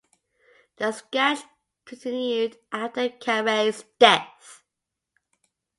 The sketch continued after Caray's death.